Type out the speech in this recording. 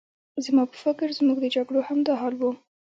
زما په فکر زموږ د جګړو همدا حال و.